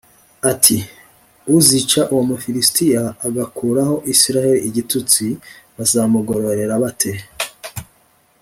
ati “Uzica uwo Mufilisitiya agakuraho Isirayeli igitutsi, bazamugororera bate?